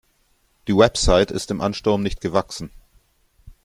Die Website ist dem Ansturm nicht gewachsen.